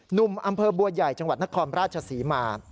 หนุ่มอำเภอบัวใหญ่จังหวัดนครราชศรีมา